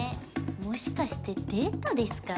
もしかしてデートですか？